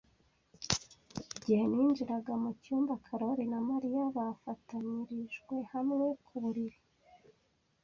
Igihe ninjiraga mucyumba, Karoli na Mariya bafatanyirijwe hamwe ku buriri.